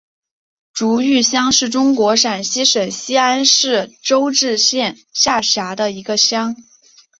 竹峪乡是中国陕西省西安市周至县下辖的一个乡。